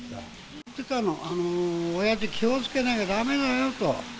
言ってたの、おやじ、気をつけなきゃだめだよと。